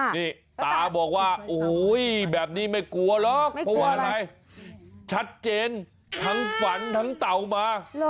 นี่ตาบอกว่าโอ้โหแบบนี้ไม่กลัวหรอกเพราะว่าอะไรชัดเจนทั้งฝันทั้งเต่ามา